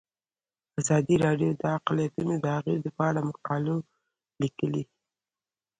ازادي راډیو د اقلیتونه د اغیزو په اړه مقالو لیکلي.